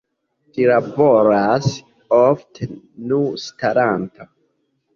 Ĝi laboras ofte nu staranta.